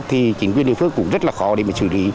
thì chính quyền địa phương cũng rất là khó để mà xử lý